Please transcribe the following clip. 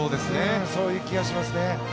そういう気がしますね。